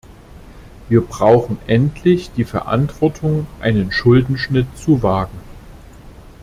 Wir brauchen endlich die Verantwortung, einen Schuldenschnitt zu wagen.